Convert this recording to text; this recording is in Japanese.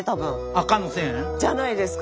赤の線？じゃないですか？